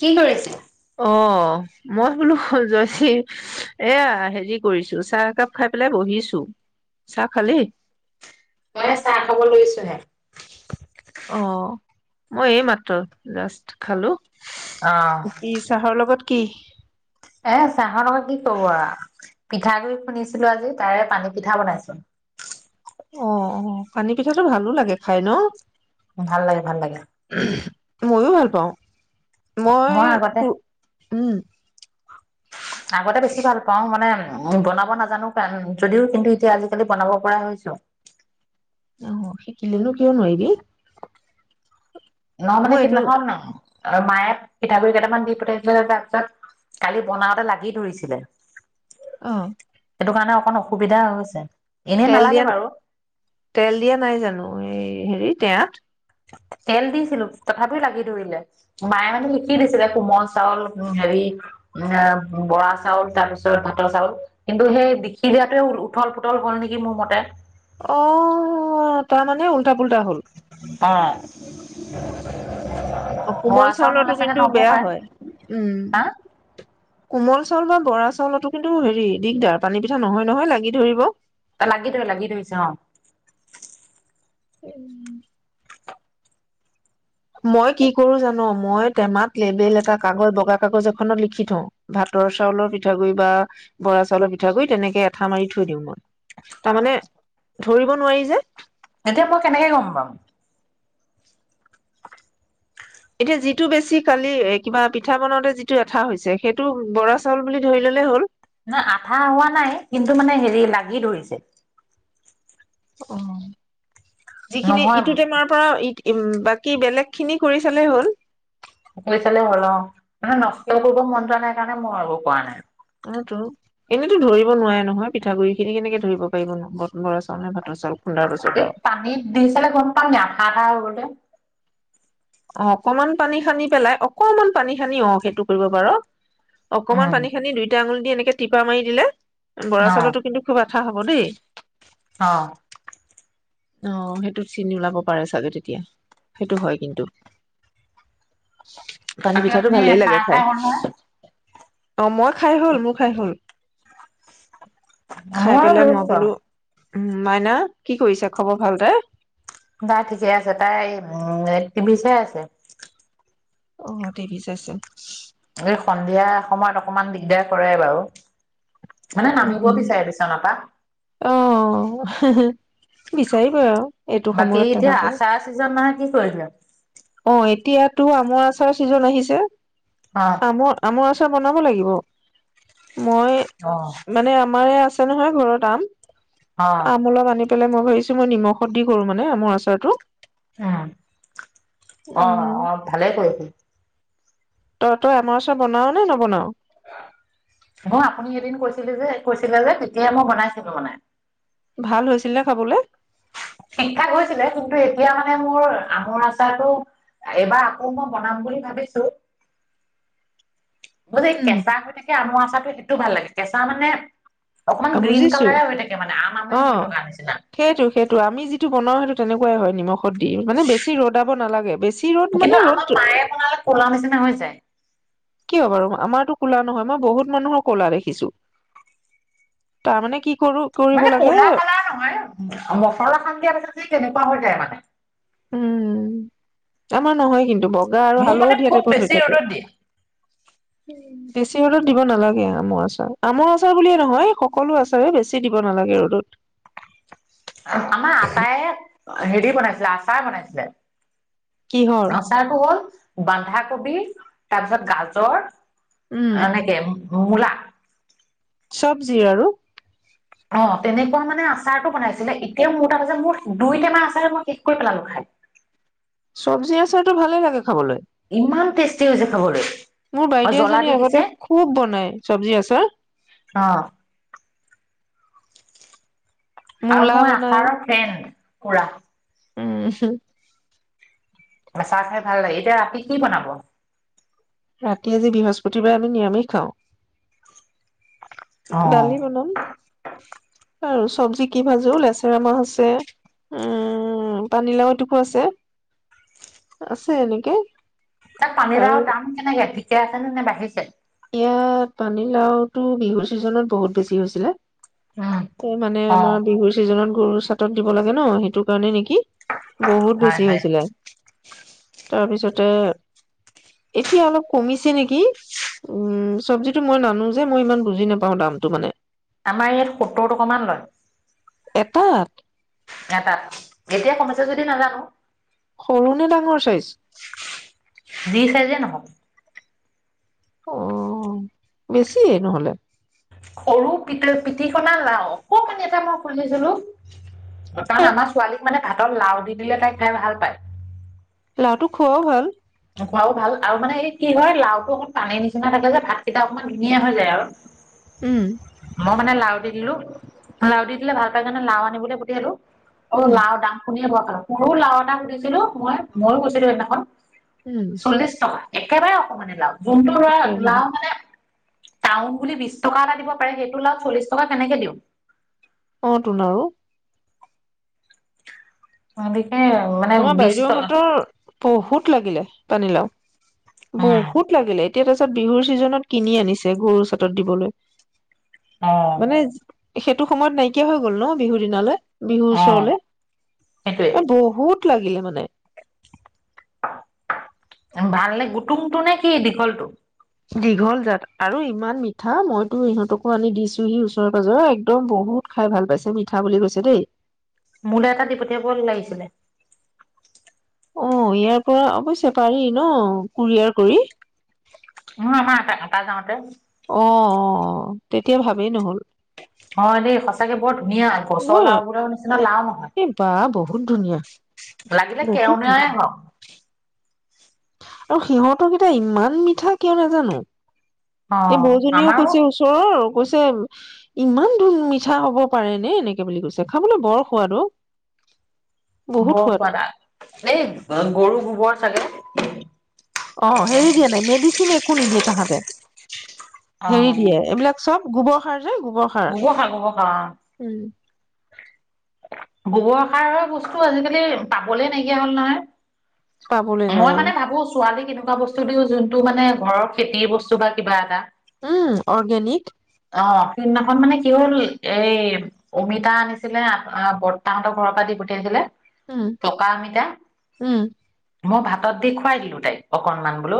কি কৰিছে? অ' মই বোলো জয়ী এয়া হেৰি কৰিছো চাহ একাপ খাই পেলাই বহিছো চাহ খালি এ চাহ খাব লৈছো হে অ' মই এই মাত্ৰ জাষ্ট খালো অ', তি চাহৰ লগত কি? এ চাহৰ লগত কি কব আৰু পিঠাগুড়ি খুন্দিছিলো আজি তাৰে পানী পিঠা বনাইছো। অ' অ' পানী পিঠাটো ভালো লাগে খাই ন! ভাল লাগে, ভাল লাগে। মইও ভাল পাওঁ। মই প উম! আগতে বেছি ভাল পাওঁ মানে উ বনাব নাজানো কাৰণ যদিও কিন্তু এতিয়া আজিকালি বনাব পৰা হৈছো অহ শিকিলেনো কিয় নোৱাৰিবি, ন মানে মই এইটো সিদিনাখন আৰু মায়ে পিঠাগুড়িকেইটামান দি পঠাইছিলে তাৰপিছত কালি বনাওঁতে লাগি ধৰিছিলে। অ' সেইটো কাৰণে অকণ অসুবিধা হৈছে। এনেই তেল নালাগে দিয়া বাৰু। তেল দিয়া নাই জানো এই হেৰি তেয়াত তেল দিছিলো তথাপি লাগি ধৰিলে মায়ে মানে শিকি দিছিলে কোমল চাউল হেৰি উ বৰা চাউল তাৰ পিছত ভাতৰ চাউল কিন্তু সেই বিখি দিয়াতোৱে উঠল পুতল হল নেকি মোৰ মতে অ তাৰমানে উল্টা পুল্টা হ'ল। অহ। অ, কোমল চাউলতো কিন্তু বেয়া পাৰে হয়। উম। হা কোমল চাউল বা বৰা চাউলতো কিন্তু হেৰি দিগদাৰ পানী পিঠা নহয় নহয় লাগি ধৰিব ত লাগি ধৰে লাগি ধৰিছে অহ। উম। মই কি কৰো জানো মই টেমাত লেবেল এটা কাগজ বগা কাগজ এখনত লিখি থওঁ। ভাতৰ চাউলৰ পিঠাগুডৰি বা বৰা চাউলৰ পিঠাগু়ি তেনেকে এঠা মাৰি থৈ দিওঁ। মই তাৰমানে ধৰিব নোৱাৰি যে। এতিয়া মই কেনেকে গম পাম? এতিয়া যিটো বেছি কালি কিবা পিঠা বনাওঁতে যিটো এঠা হৈছে, সেইটো বৰা চাউল বুলি ধৰি ললে হ'ল। ন আঠা হোৱা নাই কিন্তু মানে হেৰি লাগি ধৰিছে অহ। যিখিনি নহয় ইটো টেমাৰ পৰা। ই, বাকী বেলেগ খিনি কৰি চালে হ'ল। কৰি চালে হল ও ভাল মানে নষ্ট কৰিব মন যোৱা নাই ন মৰাব পৰা নাই। অ তহ এনেইতো ধৰিব নোৱাৰে নহয় পিঠাগুৰিখিনি কেনেকে ধৰিব পাৰিব ন বৰা চাউল নে ভাত। এই পানীত দি চালে গম পায় নি আঠা আঠা হৈ গৈছে অহ, অকমান পানী সানি পেলাই, অকমান পানী সানি অ সেইটো কৰিব পাৰ। অকমান উম পানী সানি দুইটা আঙুলি। এনেকে টিপা মাৰি দিলে। বৰা চাউলতো কিন্তু খুব আঠা হব দেই। অ অ অহ, সেইটোত চিনি ওলাব পাৰে চাগে তেতিয়া। সেইটো হয় কিন্তু। পানী বাকী পিঠাটো আপুনি ভালেই লাগে চাহ খাই। হ'ল নহয়? অহ, মই খাই হ'ল, মোৰ খাই হ'ল। খাই অ পেলাই মই লৈছ বোলো উম মাইনা কি কৰিছে? খবৰ ভাল তাইৰ? দাই ঠিকে আছে। তাই, উম, হেই টি ভি চাই আছে। অ টিভি চাইছে। এই সন্ধিয়া সময়ত অকমান দিগদাৰ কৰে বাৰু। মানে নামিব বিচাৰে বিছনাৰ পৰা। অহ, বিচাৰিবই আৰু। এইটো বাকী সময়ত এতিয়া তাহাঁতৰ আচাৰ চিজন নহয় কি কৰিলে। অ এতিয়াতো আমৰ আচাৰ ছিজন আহিছে। অ', আমৰ-আমৰ আচাৰ বনাব লাগিব। মই অ', মানে আমাৰে আছে। আছে নহয় ঘৰত আম। অ', আমোলক আনি। পেলাই মই ভাবিছো মই নিমখত দি কৰো মানে আমৰ আচাৰটো। উম অ উম অ ভালেই কৰিলি। তই তই আমৰ আচৰ বনাও নে নবনাও। মই আপুনি এদিন কৈছিলে যে কৈছিলে যে তেতিয়াই মই বনাইছিলো মানে। ভাল হৈছিল নে খাবলৈ। ঠিকঠাক হৈছিলে কিন্তু এতিয়া মানে মোৰ আমৰ আচাৰটো এইবাৰ আকৌ মই বনাম বুলি ভাবিছো। মোৰ যে এই উম। কেঁচা হৈ থাকে আমৰ আচাৰটো সেইটোও ভাল লাগে। কেঁচা মানে। অ অকমান গ্ৰীণ বুজিছো কালাৰে হৈ থাকে মানে আম অ আমে হৈ থকা নিচিনা। বনোৱা হেটো তেনেকুৱাই হয় নিমখ অ' দি মানে বেছি ৰদাব নালা [unintelligible] কিন্তু আমাৰ মায়ে বনালে ক'লা নিচিনা হৈ যায়। কিয় বাৰু আমাৰতো কোলা নহয়। মই বহুত মানুহৰ কলা দেখিছো। তামানে কি কৰো কৰিব মানে লাগে ক'লা কালাৰ নহয়, মচলা সান দিয়া পাছত মানে তেনেকুৱা হৈ যায় মানে। উম আমাৰ নহয় কিন টো বগা আৰু মোৰ মানে হালধীয়া খুব টাইপত হৈ বেছি থাকে। ৰ'দত দিয়ে বেছি ৰ'দত দিব নালাগে আমৰ আচাৰ, আমৰ আচাৰ বুলিয়ে নহয় সকলো আচাৰে বেছি দিব নালাগে ৰ'দত। আমাৰ আটায়ে হেৰি বনাইছিলে, আচাৰ বনাইছিলে। কিহৰ আচাৰটো হ'ল বান্ধাকবি তাপাত গাজৰ উম এনেকেম। হু মূলা। চবজিৰ আৰু। অ' তেনেকুৱা মানে আচাৰটো বনাইছিলে এতিয়া মোৰ তা মানে মোৰ দুইটেমা আচাৰে মই শেষ কৰি পেলালো খাই। চবজি আচাৰটো ভালে লাগে। খাবলৈ, ইমান টেষ্টি হৈছে খাবলৈ মো অ বাইদেউ জ্বলা এজনীয়ে দি দিছে আগতে খুব বনাই চবজি আচাৰ। অ আও মূলা মই আচাৰৰ ফ্ৰেণ্ড। কৰা। উ। আ চাহ খাই ভাল লাগে। এতিয়া ৰাতি কি বনাব? ৰাতি আজি বৃহস্পতিবাই আমি নিয়ামিষ খাওঁ। দালি বনাম, আৰুচ চবজি কি ভাজো লেচেৰা মাহ আছে উম পানীলাও এটোকো আছে, আছে এনেকে। তাত পানী লাউ আৰু দাম কেনেকে? এতিয়া আছেনে নে বাঢ়িছে? ইয়াত পানীলাউতো বিহুৰ ছিজনত বহুত বেছি হৈছিলে। উম এ মানে অ আমাৰ বিহুৰ ছিজনত গৰু চাতত দিব লাগে ন হেটো কাৰণে নেকি। কি? বহুত হয় বেছি হয় হৈছিলে তাৰপিছত ত' এতিয়া অলপ কমিছে নেকি। উম চবজিটো মই নানো যে মই ইমান বুজি নাপাওঁ দামটো মানে। আমাৰ ইয়াত সত্তৰ টকামান লয়। এটাত এটাত এতিয়া কমাইছে যদি নাজানো সৰু নে ডাঙৰ চাইজ দি চাৰ যে নহব অ বেছি নহ'লে সৰু পিত পিতিকনা লাও অকণ পানি এটা মই খুুলিছিলো কাৰণ আমাৰ ছোৱালীক মানে ভাতৰ লাও দি দিলে তাই খাই ভাল পায় লাটো খোৱাও ভাল খোৱাও ভাল আৰু মানে এই কি হয় লাওটো অকমান পানীৰ নিচিনা থাকে যে ভাতকেইটা অকণমান ধুনীয়া হৈ যায় আৰু উম মই মানে লাও দি দিলো লাওু দি দিলে ভাল পাই কাৰানে লাও আনিবলৈ পঠিয়ালো অ উম লাও দাম শুনেই ভয় খালো সৰু লাও এটা সুধিছিলো মই মইো গৈছিলো সেইদিনাখন উম চল্লিশ টকা একোৰে অক মানি লাও যোনটোৰ ধৰা তাকে লাও মানে টাউন বুলি বিশ টকা এটা দিব পাৰে সেইটো ওলাও চল্লিশ টকা কেনেকে দিওঁ অটুন আৰু অ' দে এশসে এ মানে আমাৰ বিশ টকা বাইদেউহঁতৰ বহুত লাগিলে পানী লাও উম বহুত লাগিলে এতিয়া তাৰ পিছত বিহুৰ ছিজনত কিনি আনিছে গৰু চাটত দিবলৈ অ মানে সেইটো সময়ত নাইকিয়া হৈ গ'ল ন বিহুৰ দিনালৈ বিহুৰ অ ওচৰলে এ বহুত লাগিলে মানে ভাল ন গুটুমটো নে কি দীঘলটো দীঘল জাত আৰু ইমান মিঠা মইতো ইহঁতকো আনি দিছোহি ওচৰ পাজৰেৰ একদম বহুত খাই ভাল পাইছে মিঠা বুলি কৈছে দেই মোলৈ এটা দি পঠিয়াব ও লাগিছিলে অ ইয়াৰ পৰা অৱ্যশে পাৰি ন কুৰিয়াৰ কৰি নহয় আমাৰ এটা এটা যাওঁতে অ অ তেতিয়া ভাবেই নহ'ল অ দেই সঁচা চাগে বহুত ধুনীয়া গছৰ মই লাও বোৰে নিচিনা লাও নহয় এই বা বহুত ধুনীয়া লাগিলে বহুত কেৱনাই ধুনীয়া হওক আৰু সিহঁতকেইটা ইমান মিঠা কিয় নাজানো অ এই বৌজনীও আমাৰো কৈছে ওচৰৰ কৈছে ইমান ধূল মিঠা হব পাৰে নে এনেকে বুলি কৈছে খাবলৈ বৰ সোৱাদ অ বহুত বৰ সোৱাদ খোৱাাদা এ গৰু গ বৰ চাগে অ হেৰি দিয়া নাই মেডিচিন একো নিদিয়ে তাহাঁতে। অ হেৰি দিয়ে এইবিলাক চব গোবৰ গোবৰ সাৰ। গোবৰ উম সাৰ। গোবৰ সাৰ হৈ বস্তু আজিকালি পাবলে নাইকিয়া হ'ল নহয় পাবলৈ নাই মই আৰু মানে ভাবো ছোৱালী কি এনেকুৱা বস্তু দিও যোনটো মানে ঘৰ খেতিৰ বস্তু বা কিবা এটা উম অৰ্গেনিক অ সিদিনাখন মানে কি হল এই অমিতা আনিছিলে। আ বৰতাহঁতৰ ঘৰৰ পৰা দি পঠিয়াইছিলে উম পকা অমিতা উম মই ভাতত দি খুৱাই দিলো তাইক অকনমান বোলো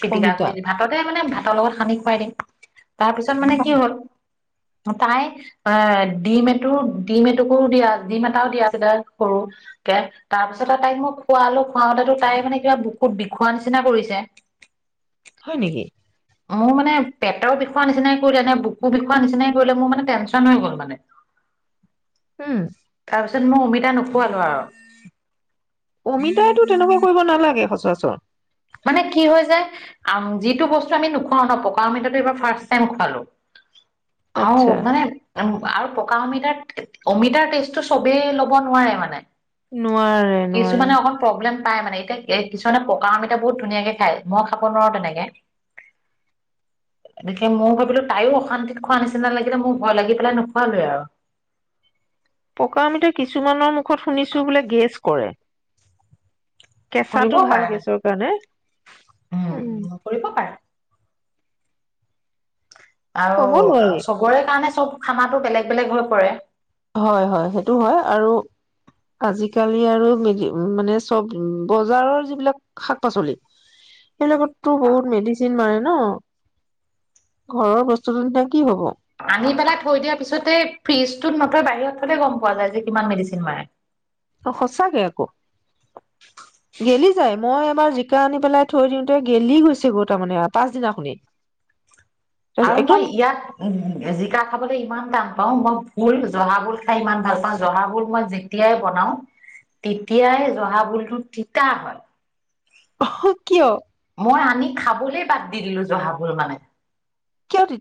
পিটিকা অমিতা কৰি দি ভাততে মানে ভাত লগত সানি খুৱাই দিম তাৰ পিছত তাৰমানে কি হ'ল তাই এ ডিম এটু ডিম এটুকো দিয়া ডিম এটাও দিয়া আছিলে সৰুকে তাৰপিছত আৰু তাইক মই খুৱালো খুৱাওঁতেতো তাই মানে কিবা বুকুত বিষোৱা নিচিনা কৰিছে হয় নেকি মোৰ মানে পেটৰ বিষৰ নিচিনাই কৰিলে এনে বুকু বিষৰ নিচিনাই কৰিলে মোৰ মানে টেনচন হৈ গ'ল মানে উম তাৰ মই অমিতা নোখোৱালো আৰু অমিতাই তো তেনেকুৱা কৰিব নালাগে সঁচ ৰাচৰ মানে কি হয় যে আম যিটো বস্তু আমি নোখোৱাও ন পকা অমিতাটো এইবাৰ ফাৰ্ষ্ট টাইম খোৱালো আউহ আচ্ছা মানে উ আৰু পকা অমিতাৰ অমিতাৰ টেষ্টটো চবেই ল'ব নোৱাৰে মানে নোৱাৰে কিছুমানে নোৱাৰে অকণ প্ৰব্লেম পাই মানে এতিয়া এ কিছুমানে পকা অমিতা বহুত ধুনীয়াকে খাই মই খাব নোৱাৰো তেনেকে গতিকে মই ভাবিলো তাইও অশান্তিত খোৱা নিচিনা লাগিলে মোৰ ভয় লাগি পেলাই নোখোৱালোৱেই আৰু পকা আমিতা কিছুমানৰ ত শুনিছো বোলে গেছ কৰে কেঁচাটো কৰিবও ভাল পাৰে গেছৰ কাৰণে। উম, উ উম, কৰিব পাৰে। আৰু ক'ব নোৱাৰি চবৰে কাৰণে চব খানাটো বেলেগ বেলেগ হৈ পৰে হয় হয় সেইটো হয় আৰু আজিকালি আৰু মেডি মানে চব বজাৰৰ যিবিলাক শাক পাচলি সেইবিলাকতো বহুত মেডিচিন মাৰে ন। ঘৰৰ বস্তুটো নিচিনা কি হ'ব। আনি পেলাই থৈ দিয়াৰ পিছতে ফ্ৰিজটোত নথৈ বাহিৰত থলে গম পোৱা যায় যে কিমান মেডিচিন মাৰে সঁচাকে আকৌ গেলি যায় মই জিকা আনি পেলাই থৈ দিওঁতে গেলি গৈছে গৈ তাৰমানে পাছদিনাখনেই আৰু মই ইয়াত উ-জিকা খাবলৈ ইমান টান পাওঁ মই ভোল জহা ভোল খাই ইমান ভাল পাওঁ। জহা ভোল মই যেতিয়াই বনাও তেতিয়াই জহা ভোলটো তিতা হয়। [unintelligible] কিয়? মই আনি খাবলৈ বাদ দি দিলো জহাভোল মানে। কিয় তি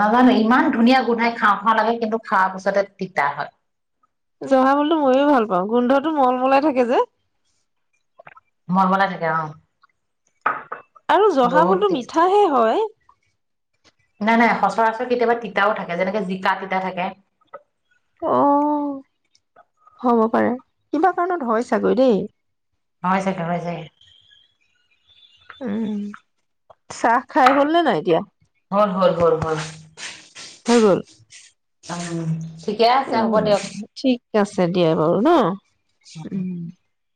নাজানো, ইমান ধুনীয়া গোন্ধাই খাওঁ, খাওঁ লাগে কিন্তু খোৱা পিছতে তিতা হয়। জহা ভোলটো ময়ো ভাল পাওঁ গোন্ধটো মলমলাই থাকে যে মলমলাই থাকে অ'। আৰু জহা বহুত ভোলটো টেষ্টি মিঠাহে হয়। নাই, নাই সচৰাচৰ কেতিয়াবা তিতাও থাকে যেনেকে জিকা তিতা থাকে। অ', হ'ব পাৰে। কিবা কাৰণত হয় চাগৈ দেই। হয় চাগে হয় চাগে। উম। চাহ খাই হ'ল নে নাই এতিয়া? [unintelligible] হৈ গ'ল। উম। ঠিকে আছে হ'ব উম, দিয়ক। ঠিক আছে দিয়া বাৰু ন। উম। [unintelligible]